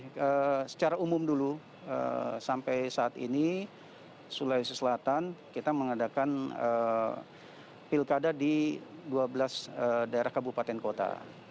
jadi secara umum dulu sampai saat ini salawusi selatan kita mengadakan pilkada di dua belas daerah kabupaten kota